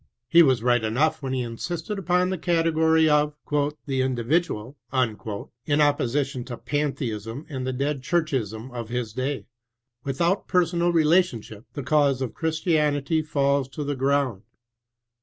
He was right eoiough when he insisted upon the category of "the individual " in oppK>8i tion to Pantheism and the dead Churchism of his day. Without personal relationship, the cause of Christianity falls to the ground.